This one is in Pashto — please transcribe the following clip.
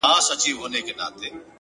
مثبت فکر د ذهن دروازې پرانیزي.!